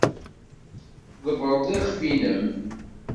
Tḍebbred iɣef-nnem.